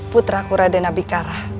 putra kurade nabi kara